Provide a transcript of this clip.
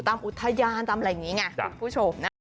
ตามอุทยานตามอะไรอย่างนี้ไงคุณผู้ชมนะ